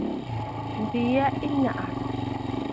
M̀bi ya ɨ nàʼàrə̀.